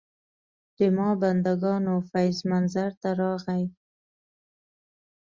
د ما بندګانو فیض منظر ته راغی.